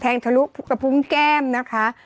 แทงทะลุกกับพุ้งแก้มนะคะ